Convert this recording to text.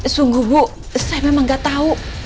sungguh bu saya memang gak tahu